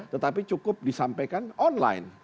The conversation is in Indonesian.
tetapi cukup disampaikan online